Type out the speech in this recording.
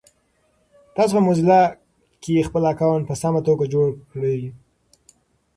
تاسو په موزیلا کې خپل اکاونټ په سمه توګه جوړ کړی؟